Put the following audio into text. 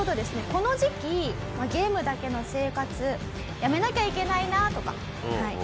この時期ゲームだけの生活やめなきゃいけないなとか。